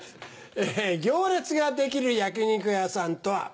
行列ができる焼き肉屋さんとは。